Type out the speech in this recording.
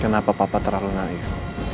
kenapa papa terlalu naif